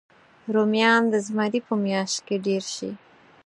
رومیان د زمري په میاشت کې ډېر شي